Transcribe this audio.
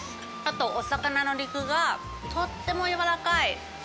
あと、お魚の肉がとってもやわらかい。